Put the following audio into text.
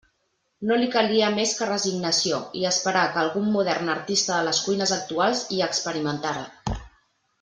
No li calia més que resignació i esperar que algun modern artista de les cuines actuals hi experimentara.